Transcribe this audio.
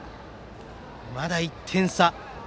まだ１点差。